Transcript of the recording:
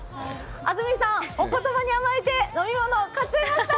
安住さん、お言葉に甘えて飲み物買っちゃいました。